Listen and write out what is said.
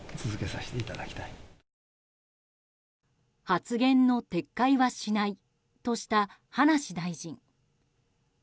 発言の撤回はしないとした葉梨大臣。